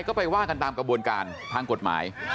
ก็ไปว่ากันตามกระบวนการทางกฎหมาย